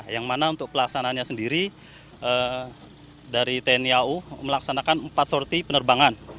yang mana untuk pelaksanaannya sendiri dari tni au melaksanakan empat sorti penerbangan